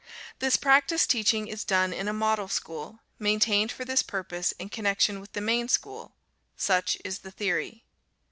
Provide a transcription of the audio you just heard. This practice teaching is done in a Model School, maintained for this purpose in connection with the main school. Such is the theory.